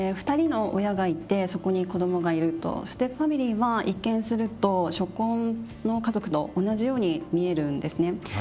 ２人の親がいてそこに子どもがいるとステップファミリーは一見すると初婚の家族と同じように見えるんですね。